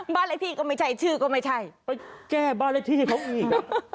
บ้านเลขที่ก็ไม่ใช่ชื่อก็ไม่ใช่ไปแก้บ้านเลขที่เขาอีก